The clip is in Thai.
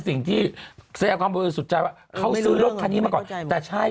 สิ่งที่แสดงความบริสุทธิ์ใจว่าเขาซื้อรถคันนี้มาก่อนแต่ใช่